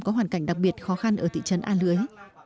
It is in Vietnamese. có hoàn cảnh đặc biệt khó khăn ở thị trấn a lưới